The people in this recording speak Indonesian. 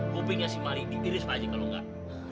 kupingnya si mari didiris aja kalo gak